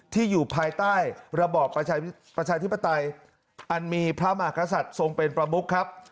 อยู่ภายใต้ระบอบประชาธิปไตยอันมีพระมหากษัตริย์ทรงเป็นประมุกครับ